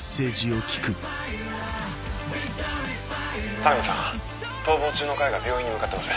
田波さん逃亡中の甲斐が病院に向かってます